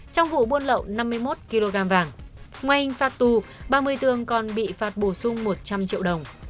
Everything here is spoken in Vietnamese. trong vụ buôn lậu năm mươi một kg vàng ngoài anh phạt tù ba mươi tường còn bị phạt bổ sung một trăm linh triệu đồng